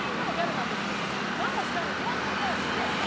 なんも知らんのに言わんといてもらっていいですか。